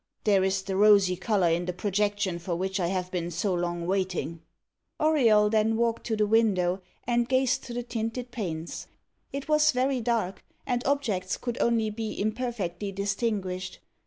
There is the rosy colour in the projection for which I have been so long waiting." Auriol then walked to the window and gazed through the tinted panes. It was very dark, and objects could only be imperfectly distinguished.